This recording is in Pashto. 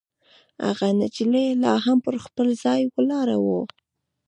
هغه نجلۍ لا هم پر خپل ځای ولاړه وه.